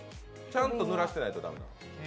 ちゃんとぬらしてないと駄目。